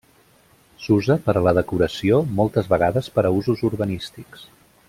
S'usa per a la decoració, moltes vegades per a usos urbanístics.